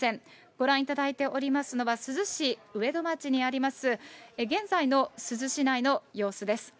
ご覧いただいておりますのは、珠洲市町にあります、現在の珠洲市内の様子です。